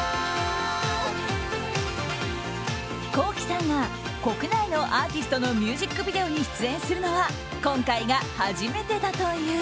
Ｋｏｋｉ，さんが国内のアーティストのミュージックビデオに出演するのは今回が初めてだという。